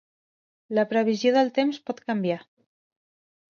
La previsió del temps pot canviar.